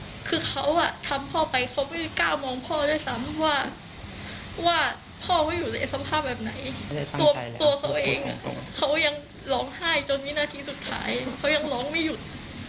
ตัวเขาเองเขายังร้องไห้จนนาทีสุดท้ายเขายังร้องไม่หยุด